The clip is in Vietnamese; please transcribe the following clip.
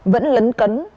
vẫn lấn cấn